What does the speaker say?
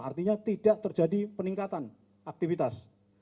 artinya tidak terjadi peningkatan aktivitas